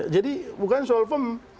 jadi bukan soal firm